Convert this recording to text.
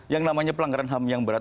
yang namanya pelanggaran ham yang berat